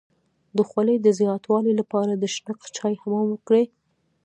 د خولې د زیاتوالي لپاره د شنه چای حمام وکړئ